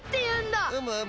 うむうむ。